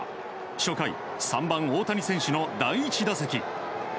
初回、３番大谷選手の第１打席。